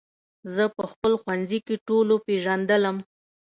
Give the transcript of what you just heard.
زه په خپل ښوونځي کې ټولو پېژندلم